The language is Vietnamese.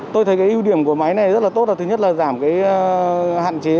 tôi thấy cái ưu điểm của máy này rất là tốt là thứ nhất là giảm hạn chế